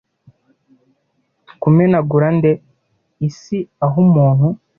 kumenagura nde isi aho umuntu